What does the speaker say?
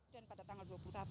dan pada tanggal dua puluh satu